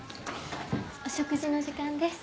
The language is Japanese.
お食事の時間です。